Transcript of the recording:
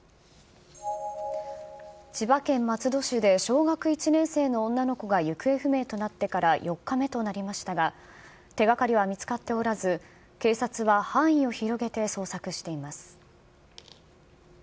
千葉県松戸市で、小学１年生の女の子が行方不明となってから４日目となりましたが、手がかりは見つかっておらず、警察は範囲を広げて捜索しています。